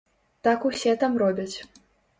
Так усе там робяць.